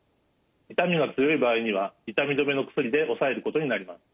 痛みが強い場合には痛み止めの薬で抑えることになります。